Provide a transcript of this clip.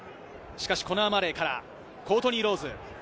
しかしコナー・マレーからコートニー・ロウズ。